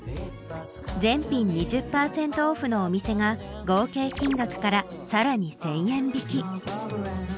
全品２０％オフのお店が合計金額からさらに１０００円引き。